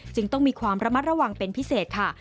จึงต้องมีความระมัดระวังเป็นพิเศษค่ะ